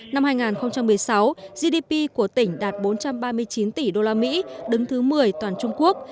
năm hai nghìn một mươi sáu gdp của tỉnh đạt bốn trăm ba mươi chín tỷ usd đứng thứ một mươi toàn trung quốc